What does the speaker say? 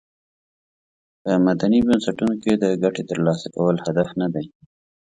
په مدني بنسټونو کې د ګټې تر لاسه کول هدف ندی.